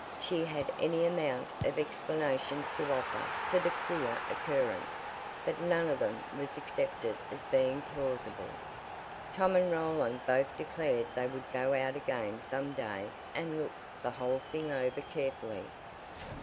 She had any amount of explanations to offer for the queer occurrence, but none of them was accepted as being plausible. Tom and Roland both declared they would go out again some day and look the whole thing over carefully.